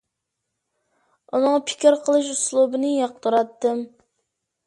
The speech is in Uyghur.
ئۇنىڭ پىكىر قىلىش ئۇسلۇبىنى ياقتۇراتتىم.